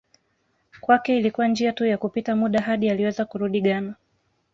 Kwake ilikuwa njia tu ya kupita muda hadi aliweza kurudi Ghana